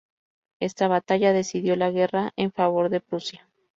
Esta batalla decidió la guerra en favor de Prusia.